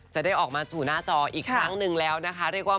จะได้ออกมาสู่หน้าจออีกครั้งหนึ่งแล้วนะคะ